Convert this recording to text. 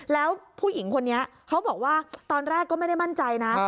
แล้วผู้หญิงคนนี้เขาบอกว่าตอนแรกก็ไม่ได้มั่นใจนะ